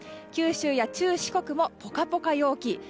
九州や中四国もポカポカ陽気。